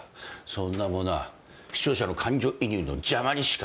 そんなものは視聴者の感情移入の邪魔にしかならない。